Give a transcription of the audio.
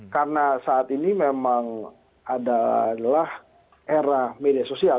karena saat ini memang adalah era media sosial